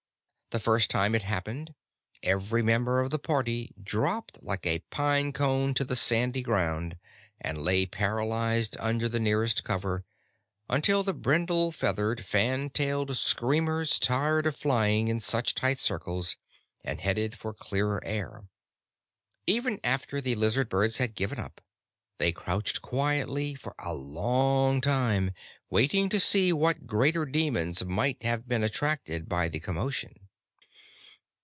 The first time it happened, every member of the party dropped like a pine cone to the sandy ground and lay paralyzed under the nearest cover, until the brindle feathered, fan tailed screamers tired of flying in such tight circles and headed for clearer air. Even after the lizard birds had given up, they crouched quietly for a long time, waiting to see what greater demons might have been attracted by the commotion.